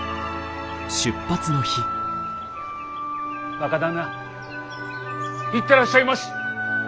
若旦那行ってらっしゃいまし！